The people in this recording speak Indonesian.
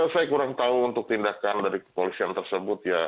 saya kurang tahu untuk tindakan dari kepolisian tersebut ya